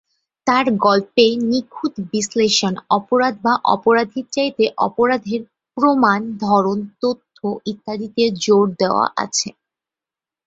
তার গল্পে নিখুঁত বিশ্লেষণ, অপরাধ বা অপরাধীর চাইতে অপরাধের প্রমাণ, ধরন, তথ্য ইত্যাদিতে জোর দেওয়া আছে।